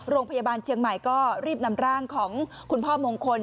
โรงพยาบาลเชียงใหม่ก็รีบนำร่างของคุณพ่อมงคล